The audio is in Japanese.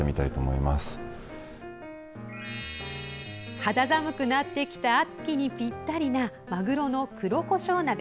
肌寒くなってきた秋にぴったりなまぐろの黒こしょう鍋。